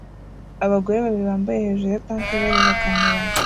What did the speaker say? Abagore babiri bambaye hejuru ya tank bareba kamera